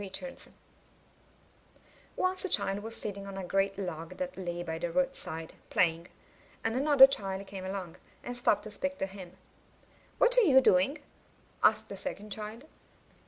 Richards Once a child was sitting on a great log that lay by the roadside, playing; and another child came along, and stopped to speak to him. *'What are you doing?'' asked the second child.